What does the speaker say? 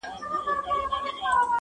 خاموسي لا هم قوي ده تل,